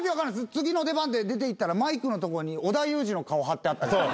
次の出番で出ていったらマイクのとこに織田裕二の顔貼ってあったり。